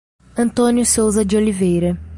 Antônio Souza de Oliveira